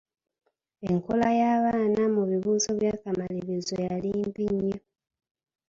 Enkola y'abaana mu bibuuzo by'akamalirizo yali mbi nnyo.